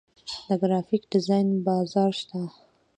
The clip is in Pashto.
د ګرافیک ډیزاین بازار شته